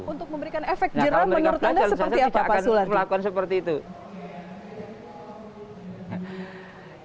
untuk memberikan efek jera menurut anda seperti apa pak sulardi